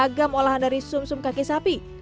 beragam olahan dari sum sum kaki sapi